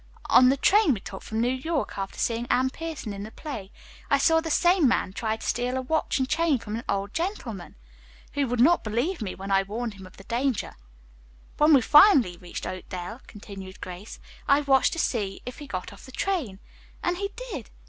On the train that we took from New York, after seeing Anne Pierson in the play, I saw this same man try to steal a watch and chain from an old gentleman, who would not believe me when I warned him of his danger." "When we finally reached Oakdale," continued Grace, "I watched to see if he got off the train, and he did.